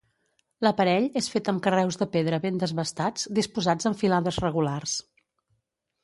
L'aparell és fet amb carreus de pedra ben desbastats, disposats en filades regulars.